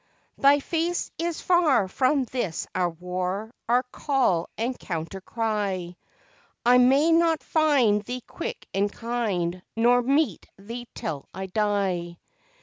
_Thy face is far from this our war, Our call and counter cry, I may not find Thee quick and kind, Nor meet Thee till I die.